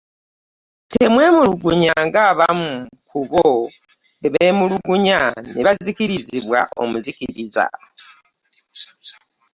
Temwemulugunyanga, ng'abamu ku bo bwe beemulugunya, ne bazikirizibwa omuzikiriza.